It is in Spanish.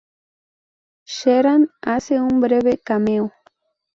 Sheeran hace un breve cameo.